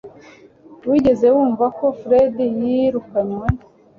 Wigeze wumva ko Fred yirukanwe